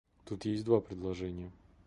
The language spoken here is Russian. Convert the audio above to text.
Тут есть два предложения.